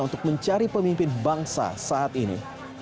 untuk mencari pemimpin bangsa saat ini